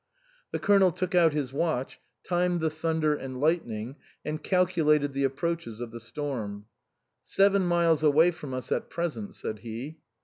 The Colonel took out his watch, timed the thun der and lightning, and calculated the approaches of the storm. "Seven miles away from us at present," said he.